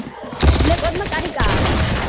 ლეკებმა კარი გააღეს.